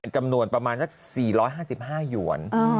จำนวนประมาณสัก๔๕๕หยวน